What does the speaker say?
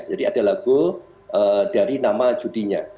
jadi ada logo dari nama judinya